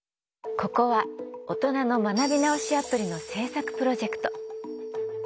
ここは大人の学び直しアプリの制作プロジェクト。